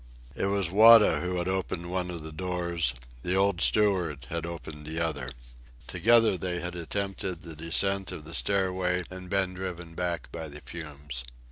It was Wada who had opened one of the doors. The old steward had opened the other. Together they had attempted the descent of the stairway and been driven back by the fumes.